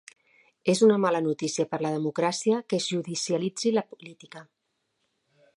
És una mala noticia per la democràcia que es judicialitzi la política.